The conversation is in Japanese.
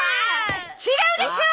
違うでしょ！